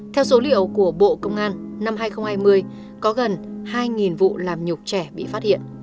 theo số liệu của bộ công an năm hai nghìn hai mươi có gần hai vụ làm nhục trẻ bị phát hiện